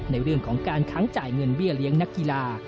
ในเรื่องของการค้างจ่ายเงินเบี้ยเลี้ยงนักกีฬา